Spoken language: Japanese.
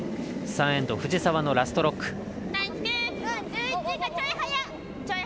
３エンド、藤澤のラストロック。